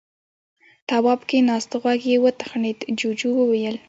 تواب کېناست. غوږ يې وتخڼېد. جُوجُو وويل: